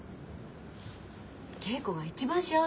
恵子が一番幸せよ。